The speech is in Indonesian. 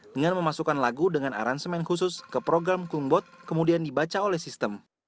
dengan memasukkan lagu dengan aransemen khusus ke program klumbot kemudian dibaca oleh sistem